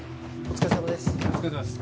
お疲れさまです